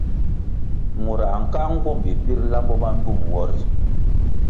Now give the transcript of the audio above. Murãh nkáʼa nguombi pir lambo ma ngywum nwo ri.